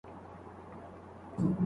تحفې ضروري نه دي.